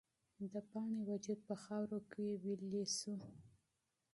د پاڼې وجود په خاوره کې ویلې شو.